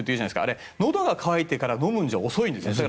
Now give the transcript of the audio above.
あれ、のどが渇いてから飲むんじゃ遅いんですね。